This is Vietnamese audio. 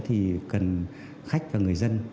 thì cần khách và người dân